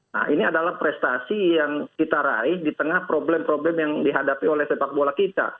nah ini adalah prestasi yang kita raih di tengah problem problem yang dihadapi oleh sepak bola kita